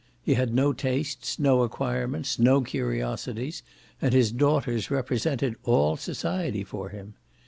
He had no tastes, no acquirements, no curiosities, and his daughters represented all society for him.